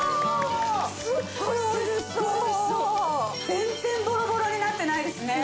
全然ボロボロになってないですね。